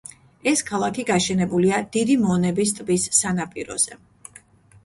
ეს ქალაქი გაშენებულია დიდი მონების ტბის სანაპიროზე.